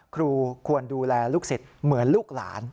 ควรดูแลลูกศิษย์เหมือนลูกหลาน